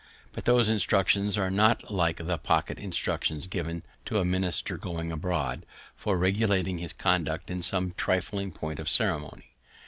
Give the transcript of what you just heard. But those instructions are not like the pocket instructions given to a minister going abroad, for regulating his conduct in some trifling point of ceremony.